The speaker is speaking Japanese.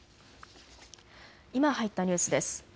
今入ったニュースです。